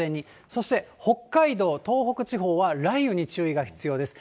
そして北海道、東北地方は雷雨に注意が必要です。